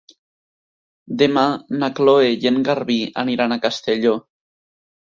Demà na Cloè i en Garbí aniran a Castelló.